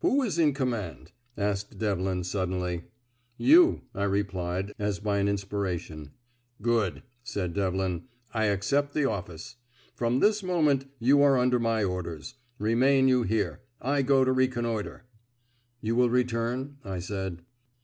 "Who is in command?" asked Devlin suddenly. "You," I replied, as by an inspiration. "Good," said Devlin. "I accept the office. From this moment you are under my orders. Remain you here; I go to reconnoitre." "You will return?" I said.